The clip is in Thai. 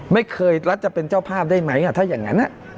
ไม่เคยรัฐจะเป็นเจ้าภาพได้ไหมถ้าอย่างนั้น